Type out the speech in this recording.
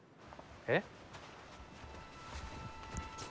えっ？